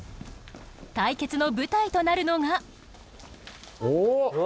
対決の舞台となるのが。